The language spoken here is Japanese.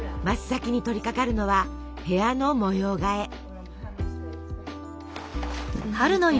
真っ先に取りかかるのは部屋の模様替え。